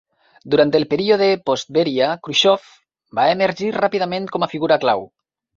Durant el període post-Béria, Khrusxov va emergir ràpidament com a figura clau.